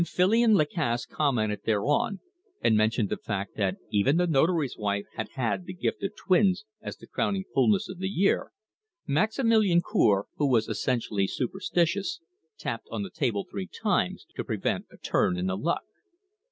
When Filion Lacasse commented thereon, and mentioned the fact that even the Notary's wife had had the gift of twins as the crowning fulness of the year, Maximilian Cour, who was essentially superstitious, tapped on the table three times, to prevent a turn in the luck.